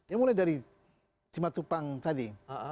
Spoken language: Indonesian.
ya mulai dari simatupang tadi